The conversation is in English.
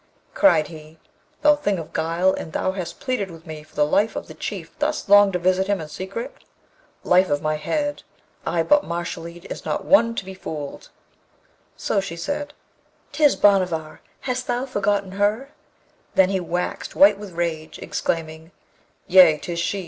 Cried he, 'Thou thing of guile! and thou hast pleaded with me for the life of the Chief thus long to visit him in secret! Life of my head I but Mashalleed is not one to be fooled.' So she said, ''Tis Bhanavar! hast thou forgotten her?' Then he waxed white with rage, exclaiming, 'Yea, 'tis she!